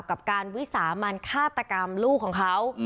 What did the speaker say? กับการวิสามันฆาตกรรมลูกของเขา